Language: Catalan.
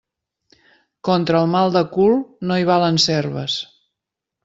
Contra el mal de cul no hi valen serves.